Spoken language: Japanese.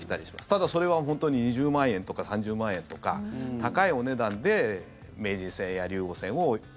ただ、それは本当に２０万円とか３０万円とか高いお値段で名人戦や竜王戦を。